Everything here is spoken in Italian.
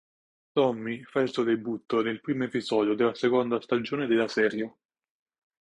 Tommy fa il suo debutto nel primo episodio della seconda stagione della serie.